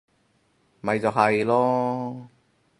咪就係囉